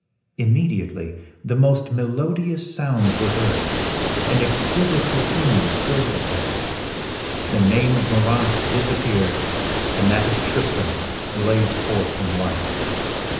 Immediately the most melodious sounds were heard, and exquisite perfumes filled the place; the name of Moraunt disappeared, and that of Tristram blazed forth in light.